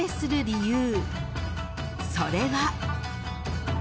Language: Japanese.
［それは］